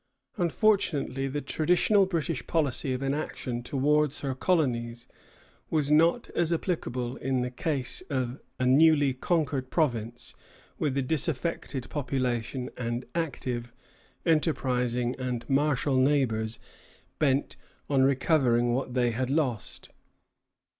Unfortunately, the traditional British policy of inaction towards her colonies was not applicable in the case of a newly conquered province with a disaffected population and active, enterprising, and martial neighbors bent on recovering what they had lost.